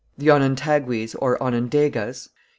The Onontagues or Onondagas.